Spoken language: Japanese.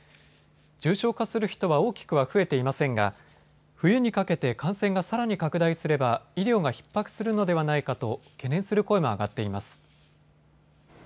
重症化する人は大きくは増えていませんが冬にかけて感染がさらに拡大すれば医療がひっ迫するのではないかと懸念する声も上がっています。